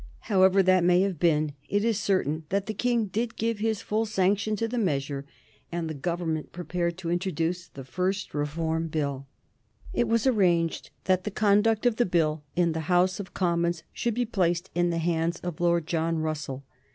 However that may have been, it is certain that the King did give his full sanction to the measure, and the Government prepared to introduce the first Reform Bill. It was arranged that the conduct of the Bill in the House of Commons should be placed in the hands of Lord John Russell.